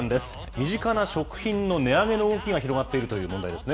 身近な食品の値上げの動きが広がっているという問題ですね。